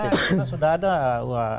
karena sudah ada